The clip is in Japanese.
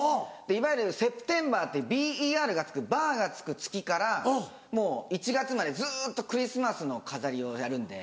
いわゆるＳｅｐｔｅｍｂｅｒｂｅｒが付くバーが付く月からもう１月までずっとクリスマスの飾りをやるんで。